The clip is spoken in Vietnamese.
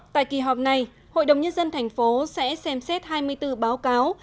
tại kỳ họp này hội đồng nhân dân thành phố sẽ xem xét hai mươi bốn báo cáo